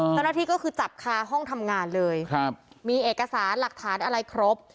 เจ้าหน้าที่ก็คือจับคาห้องทำงานเลยครับมีเอกสารหลักฐานอะไรครบ